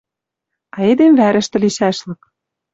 А эдем вӓрӹштӹ лишӓшлык.